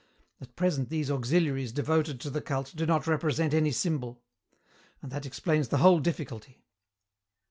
At present these auxiliaries devoted to the cult do not represent any symbol. And that explains the whole difficulty.